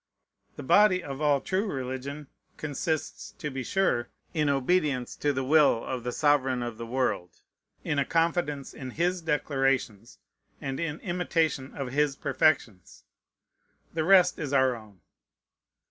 The body of all true religion consists, to be sure, in obedience to the will of the Sovereign of the world, in a confidence in His declarations, and in imitation of His perfections. The rest is our own.